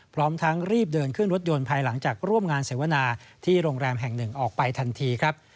พร้อมทั้งรีบเดินขึ้นรถยนต์ภายหลังจากร่วมงานเสวนาที่โรงแรมแห่งหนึ่งออกไปทันทีครับ